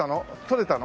取れた。